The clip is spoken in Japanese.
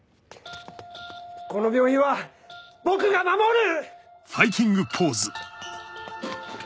この病院は僕が守る！